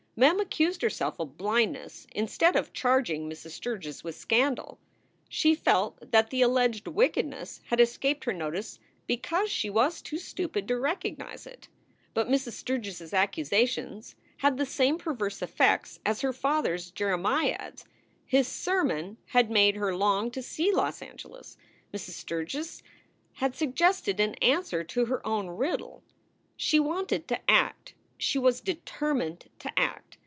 Mem accused herself of blindness instead of charging Mrs. Sturgs with scandal. She felt that the alleged wicked ness had escaped her notice because she was too stupid to recognize it. But Mrs. Sturgs s accusations had the same perverse effects as her father s jeremiads. His sermon had made her long to see Los Angeles. Mrs. Sturgs had suggested an answer to her own riddle. She wanted to act. She was determined to act.